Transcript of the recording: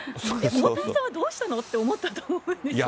大谷さんはどうしたの？って思ったと思うんですよね。